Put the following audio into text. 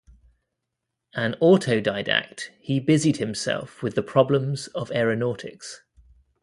An autodidact, he busied himself with the problems of aeronautics.